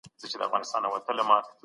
تاسي کله د دغي سرلوړي په مانا پوه سواست؟